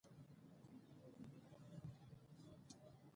سلا نه ورڅخه غواړي چي هوښیار وي